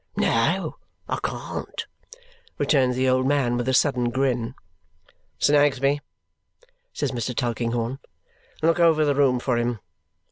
"No, I can't," returns the old man with a sudden grin. "Snagsby," says Mr. Tulkinghorn, "look over the room for him.